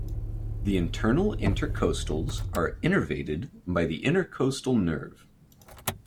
The internal intercostals are innervated by the intercostal nerve.